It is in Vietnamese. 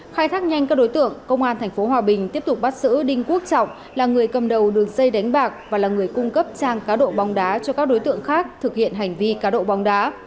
khai thác nhanh các đối tượng công an tp hòa bình tiếp tục bắt giữ đinh quốc trọng là người cầm đầu đường dây đánh bạc và là người cung cấp trang cá độ bóng đá cho các đối tượng khác thực hiện hành vi cá độ bóng đá